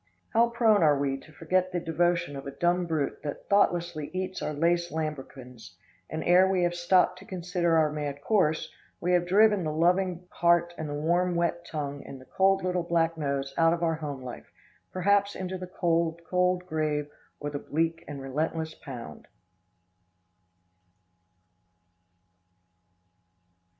How prone we are to forget the devotion of a dumb brute that thoughtlessly eats our lace lambrequins, and ere we have stopped to consider our mad course, we have driven the loving heart and the warm wet tongue and the cold little black nose out of our home life, perhaps into the cold, cold grave or the bleak and relentless pound.